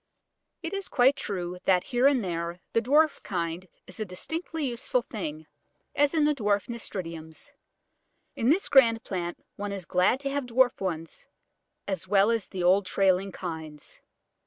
It is quite true that here and there the dwarf kind is a distinctly useful thing, as in the dwarf Nasturtiums. In this grand plant one is glad to have dwarf ones as well as the old trailing kinds.